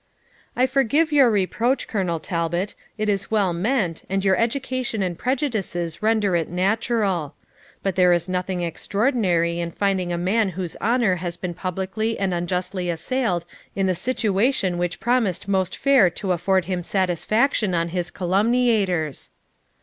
'I forgive your reproach, Colonel Talbot; it is well meant, and your education and prejudices render it natural. But there is nothing extraordinary in finding a man whose honour has been publicly and unjustly assailed in the situation which promised most fair to afford him satisfaction on his calumniators.'